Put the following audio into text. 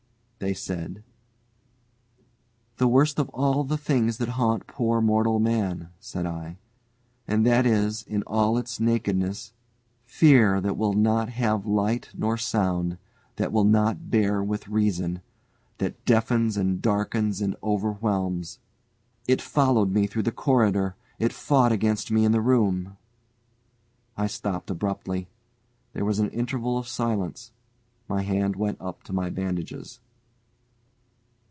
they said. "The worst of all the things that haunt poor mortal man," said I; "and that is, in all its nakedness Fear that will not have light nor sound, that will not bear with reason, that deafens and darkens and overwhelms. It followed me through the corridor, it fought against me in the room " I stopped abruptly. There was an interval of silence. My hand went up to my bandages.